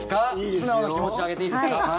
素直な気持ちで上げていいですか？